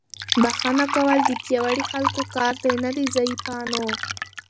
بښنه کول د پیاوړو خلکو کار دی، نه د ضعیفانو.